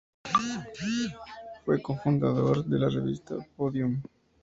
Fue cofundador de la revista "Podium".